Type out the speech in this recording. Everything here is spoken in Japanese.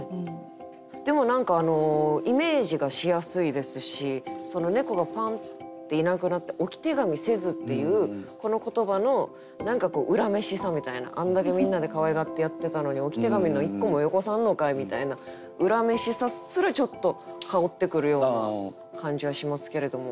でも何かイメージがしやすいですしその猫がファンッていなくなって「置手紙せず」っていうこの言葉の何か恨めしさみたいなあんだけみんなでかわいがってやってたのに「置手紙の１個もよこさんのかい」みたいな恨めしさすらちょっと薫ってくるような感じはしますけれども。